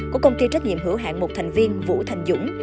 của công ty trách nhiệm hữu hạng một thành viên vũ thành dũng